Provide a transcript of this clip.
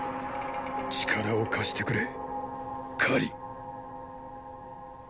力を貸してくれ燐。